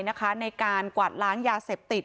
ในการกวาดล้างยาเสพติด